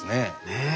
ねえ。